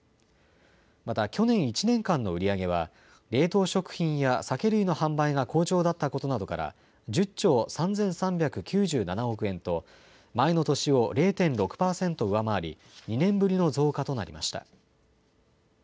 また、去年１年間の売り上げは、冷凍食品や酒類の販売が好調だったことなどから、１０兆３３９７億円と、前の年を０．６％上回り、２年ぶりの増加となりました。